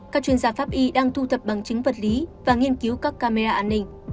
các chuyên gia pháp y đang thu thập bằng chứng vật lý và nghiên cứu các camera an ninh